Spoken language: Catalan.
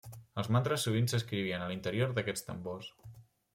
Els mantres sovint s'escrivien a l'interior d'aquests tambors.